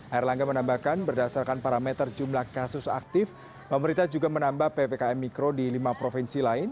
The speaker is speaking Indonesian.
air langga menambahkan berdasarkan parameter jumlah kasus aktif pemerintah juga menambah ppkm mikro di lima provinsi lain